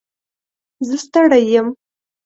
زه ستړی یم.